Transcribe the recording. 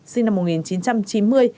sinh năm một nghìn chín trăm chín mươi